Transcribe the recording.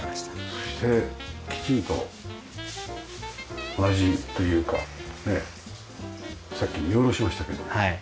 そしてきちんとＹ字にというかねさっき見下ろしましたけどね。